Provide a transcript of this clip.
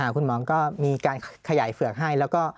คุณหมอก็มีการขยายเฝือกให้แล้วก็